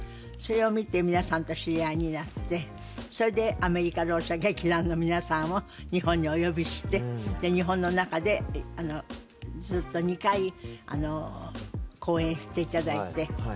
それを見て皆さんと知り合いになってそれでアメリカろう者劇団の皆さんを日本にお呼びして日本の中でずっと２回公演していただいて。